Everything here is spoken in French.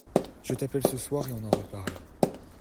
Je t'appelle ce soir et on en reparle.